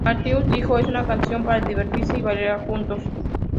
Martinus dijo: "Es una canción para divertirse y bailar juntos".